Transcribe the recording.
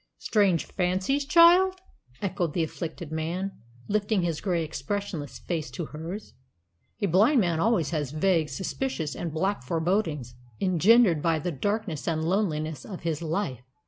"Strange fancies, child!" echoed the afflicted man, lifting his grey, expressionless face to hers. "A blind man has always vague, suspicious, and black forebodings engendered by the darkness and loneliness of his life.